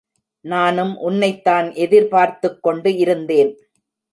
நானும் உன்னைத்தான் எதிர் பார்த்துக்கொண்டு இருந்தேன்.